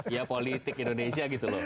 ya politik indonesia gitu loh